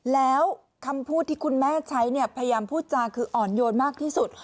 แล้วคำพูดที่คุณแม่ใช้เนี่ยพยายามพูดจาคืออ่อนโยนมากที่สุด